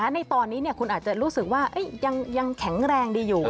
ในตอนนี้คุณอาจจะรู้สึกว่ายังแข็งแรงดีอยู่